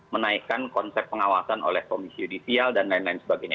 menaikkan konsep pengawasan oleh komisi judisial dan lain lain sebagainya